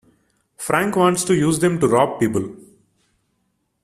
Frank wants to use them to rob people.